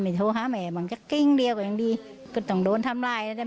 ศพที่พบต้องใช้ในกล่องเพื่อนของเขาอย่างแน่นอน